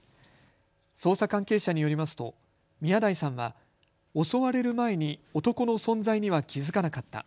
捜査関係者によりますと宮台さんは襲われる前に男の存在には気付かなかった。